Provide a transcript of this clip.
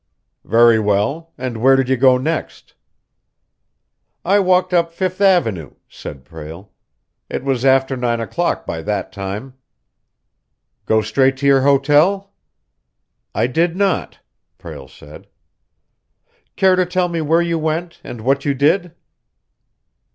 "Very well. And where did you go next?" "I walked up Fifth Avenue," said Prale. "It was after nine o'clock by that time." "Go straight to your hotel?" "I did not," Prale said. "Care to tell me where you went and what you did?"